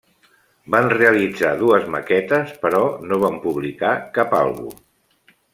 Van realitzar dues maquetes però no van publicar cap àlbum.